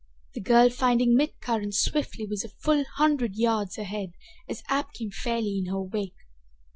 The girl, finding mid current swiftly, was a full hundred yards ahead as Ab came fairly in her wake.